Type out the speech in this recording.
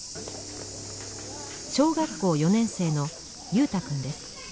小学校４年生の祐太君です。